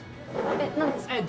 えっ何ですか？